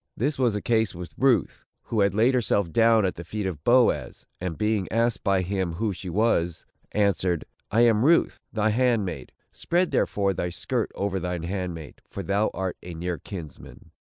This was the case with Ruth, who had laid herself down at the feet of Boaz; and being asked by him who she was, answered, "I am Ruth, thine handmaid; spread, therefore, thy skirt over thine handmaid, for thou art a near kinsman."